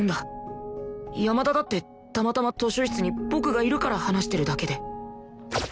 山田だってたまたま図書室に僕がいるから話してるだけで